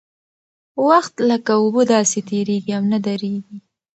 وخت لکه اوبه داسې تېرېږي او نه درېږي.